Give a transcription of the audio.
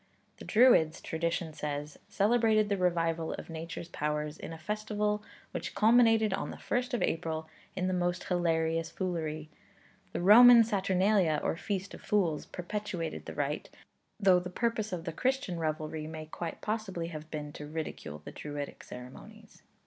The Druids, tradition says, celebrated the revival of Nature's powers in a festival which culminated on the first of April in the most hilarious foolery. The Roman Saturnalia or feast of fools perpetuated the rite, though the purpose of the Christian revelry may quite possibly have been to ridicule the Druidic ceremonies.